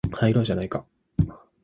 入ろうじゃないか